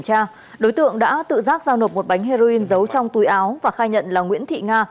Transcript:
đối tượng đã tự giác giao nộp một bánh heroin giấu trong túi áo và khai nhận là nguyễn thị nga